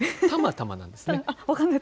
たまたまなんですね。